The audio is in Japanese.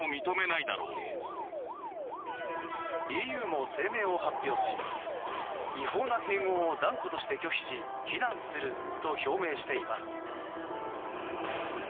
ＥＵも声明を発表し違法な併合を断固として拒否し非難すると表明しています。